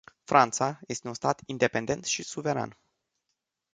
Franța este un stat independent și suveran.